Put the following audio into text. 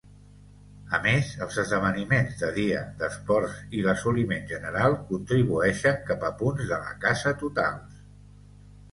A més, els esdeveniments de dia d'esports i l'assoliment general contribueixen cap a punts de la casa totals.